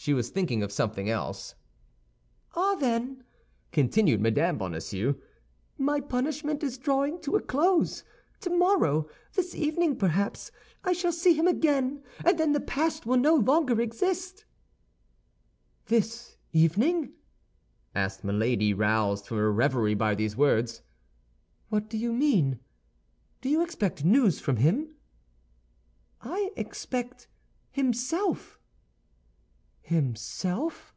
She was thinking of something else. "And then," continued Mme. Bonacieux, "my punishment is drawing to a close. Tomorrow, this evening, perhaps, I shall see him again; and then the past will no longer exist." "This evening?" asked Milady, roused from her reverie by these words. "What do you mean? Do you expect news from him?" "I expect himself." "Himself?